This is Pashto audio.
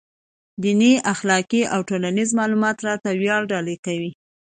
دیني، اخلاقي او ټولنیز معلومات راته وړيا ډالۍ کوي.